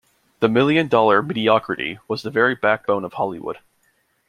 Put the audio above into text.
The million-dollar mediocrity was the very backbone of Hollywood.